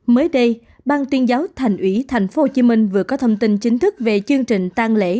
mới đây ban tuyên giáo thành ủy tp hcm vừa có thông tin chính thức về chương trình tăng lễ